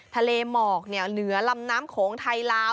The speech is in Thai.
ทะเลหมอกเหนือลำน้ำโขงไทยลาว